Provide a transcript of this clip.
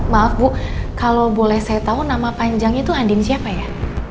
maaf bu kalo boleh saya tau nama panjangnya tuh andin siapa ya